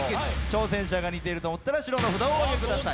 挑戦者が似ていると思ったら白の札お挙げください。